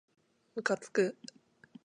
むかつく